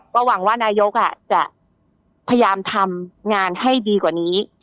ก็หวังว่านายกจะพยายามทำงานให้ดีกว่านี้